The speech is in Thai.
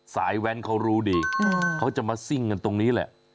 แว้นเขารู้ดีเขาจะมาซิ่งกันตรงนี้แหละ